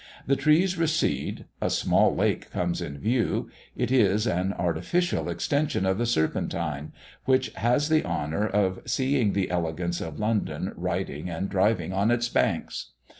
The trees recede; a small lake comes in view, it is an artificial extension of the Serpentine, which has the honor of seeing the elegance of London riding and driving on its banks.